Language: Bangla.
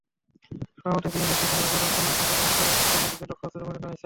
স্বভাবতই তিনি দেশটির সংখ্যাগুরু সুন্নি সম্প্রদায়ের ভেতরের কট্টরপন্থীদের লক্ষ্যবস্তুতে পরিণত হয়েছেন।